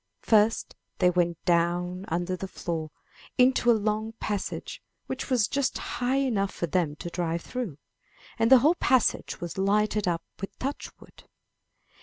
First they went down under the floor into a long passage, which was just high enough for them to drive through, and the whole passage was lighted up with touch wood.